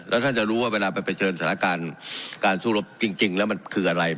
แล้วท่านจะรู้ว่าเวลาไปเผชิญสถานการณ์การสู้รบจริงแล้วมันคืออะไร